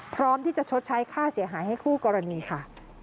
พร้อมที่จะชดใช้ค่าเสียหายให้คู่กรณีค่ะ